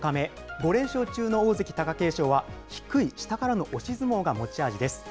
５連勝中の大関・貴景勝は、低い下からの押し相撲が持ち味です。